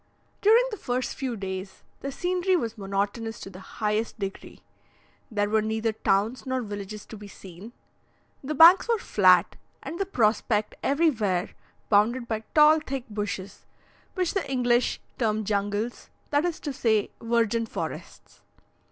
During the first few days, the scenery was monotonous to the highest degree; there were neither towns nor villages to be seen; the banks were flat, and the prospect everywhere bounded by tall, thick bushes, which the English term jungles, that is to say, "virgin forests."